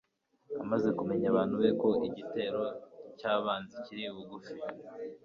amaze kumenyesha abantu be ko igitero cy'abanzi kiri bugufi